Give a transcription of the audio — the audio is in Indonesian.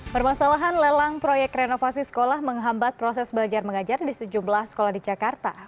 permasalahan lelang proyek renovasi sekolah menghambat proses belajar mengajar di sejumlah sekolah di jakarta